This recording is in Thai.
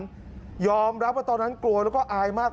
ยอมรับว่าตอนนั้นกลัวแล้วก็อายมาก